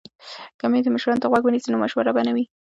که میندې مشرانو ته غوږ ونیسي نو مشوره به نه وي غلطه.